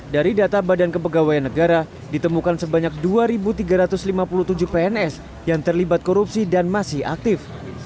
dari data badan kepegawaian negara ditemukan sebanyak dua tiga ratus lima puluh tujuh pns yang terlibat korupsi dan masih aktif